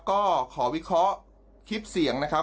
ก็ขอวิเคราะห์คลิปเสียงนะครับ